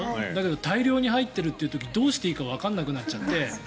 でも大量に入ってる時どうしたらいいかわからなくなっちゃって。